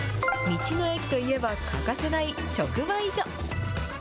道の駅といえば、欠かせない直売所。